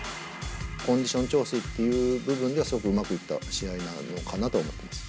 コンディション調整という部分では、すごくうまくいった試合なのかなと思っています。